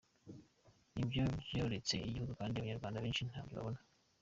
Nibyo byoretse igihugu kandi abanyarwanda benshi ntabyo babona.